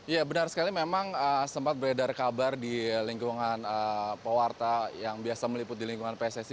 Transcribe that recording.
ya benar sekali memang sempat beredar kabar di lingkungan pewarta yang biasa meliput di lingkungan pssi